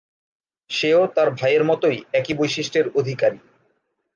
সেও তার ভাইয়ের মতই একই বৈশিষ্ট্যের অধিকারী।